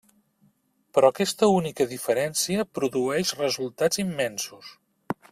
Però aquesta única diferència produeix resultats immensos.